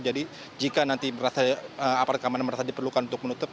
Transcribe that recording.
jadi jika nanti merasa apart keamanan merasa diperlukan untuk menutup